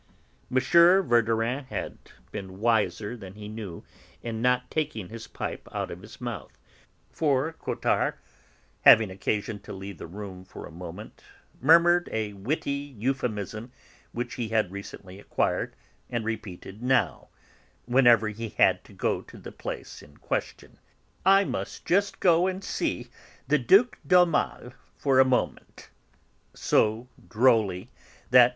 M. Verdurin had been wiser than he knew in not taking his pipe out of his mouth, for Cottard, having occasion to leave the room for a moment, murmured a witty euphemism which he had recently acquired and repeated now whenever he had to go to the place in question: "I must just go and see the Duc d'Aumale for a minute," so drolly, that M.